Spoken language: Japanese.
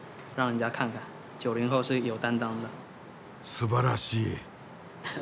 すばらしい。